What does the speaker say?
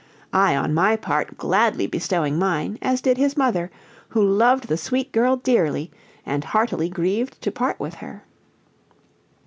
I, on my part, gladly bestowing mine, as did his mother, who loved the sweet girl dearly, and heartily grieved to part with her.